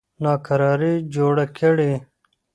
ناکراري جوړه کړي.